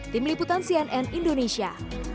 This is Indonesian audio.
tim liputan cnn indonesia